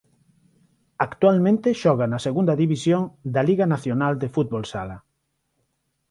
Actualmente xoga na Segunda División da Liga nacional de fútbol sala.